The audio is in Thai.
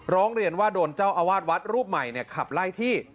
ร้องเรียนว่าโดนเจ้าอาวาสวัดรูปใหม่ขับไล่ที่